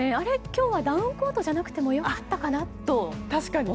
今日はダウンコートじゃなくても良かったかなと思いました。